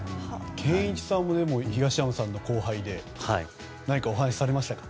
健一さんも東山さんの後輩で何かお話しされましたか？